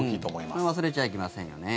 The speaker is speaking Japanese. それを忘れちゃいけませんよね。